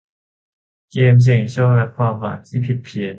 เกมเสี่ยงโชคและความคาดหวังที่ผิดเพี้ยน